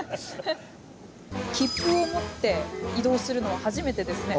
切符を持って移動するのは初めてですね。